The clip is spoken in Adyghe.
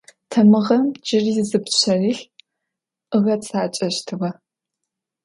Тамыгъэм джыри зы пшъэрылъ ыгъэцакӏэщтыгъэ.